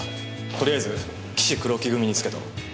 とりあえず岸・黒木組につけと。